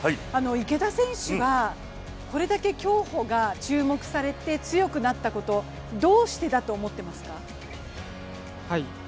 池田選手はこれだけ競歩が注目されて強くなったことどうしてだと思っていますか。